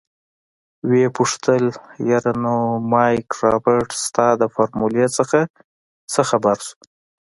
ويې پوښتل يره نو مايک رابرټ ستا د فارمولې نه څه خبر شو.